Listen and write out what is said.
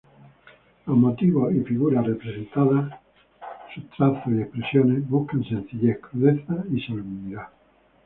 Los motivos y figuras representadas, sus trazos y expresiones buscan sencillez, crudeza y solemnidad.